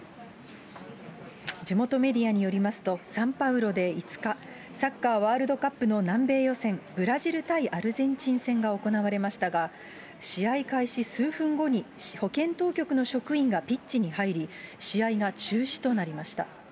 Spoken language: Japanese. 地元メディアによりますと、サンパウロで５日、サッカーワールドカップの南米予選、ブラジル対アルゼンチン戦が行われましたが、試合開始数分後に保健当局の職員がピッチに入り、試合が中止となりました。